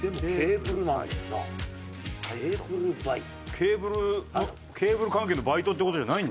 ケーブルのケーブル関係のバイトって事じゃないんだ。